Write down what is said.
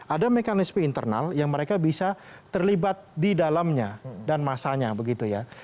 ada mekanisme internal yang mereka bisa terlibat di dalamnya dan masanya begitu ya